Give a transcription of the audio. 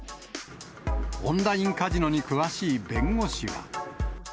オンラインカジノに詳しい弁護士は。